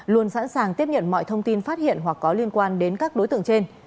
luôn sẵn sàng tiếp nhận mọi thông tin phát hiện hoặc có liên quan đến các đối tượng trên